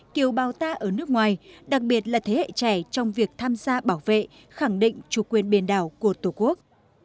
kiều bào ta ở nước ngoài đặc biệt là thế hệ trẻ trong việc tham gia bảo vệ khẳng định chủ quyền biển đảo của tổ quốc